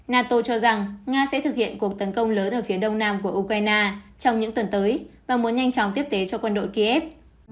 nato cho rằng nga sẽ thực hiện cuộc tấn công lớn ở phía đông nam của ukraine trong những tuần tới và muốn nhanh chóng tiếp tế cho quân đội kiev